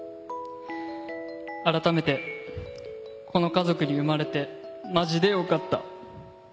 改めて、この家族に生まれて、マジでよかった。